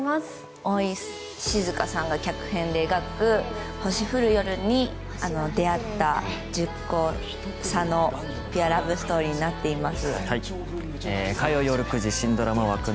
大石静さんが脚本で描く星降る夜に出会った１０個差のピュアラブストーリーになっています。